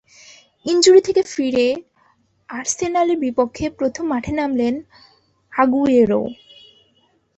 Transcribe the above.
Injury থেকে ফিরে আর্সেনালের বিপক্ষে প্রথম মাঠে নামেন আগুয়েরো।